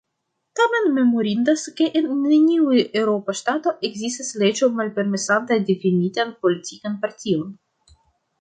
Tamen memorindas, ke en neniu eŭropa ŝtato ekzistas leĝo malpermesanta difinitan politikan partion.